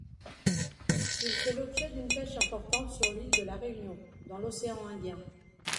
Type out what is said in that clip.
Il fait l'objet d'une pêche importante sur l'île de La Réunion, dans l'océan Indien.